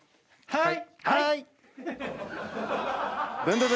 はい！